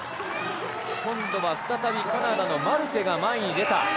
今度は再びカナダのマルテが前に出た。